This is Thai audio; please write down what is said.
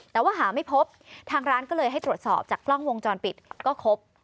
แต่ว่าหาไม่พบทางร้านก็เลยให้ตรวจสอบจากกล้องวงจรปิดก็ครบ